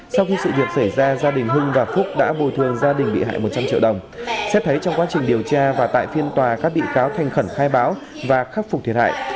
sau khi sự việc xảy ra gia đình hưng và phúc đã bồi thường gia đình bị hại một trăm linh triệu đồng xét thấy trong quá trình điều tra và tại phiên tòa các bị cáo thành khẩn khai báo và khắc phục thiệt hại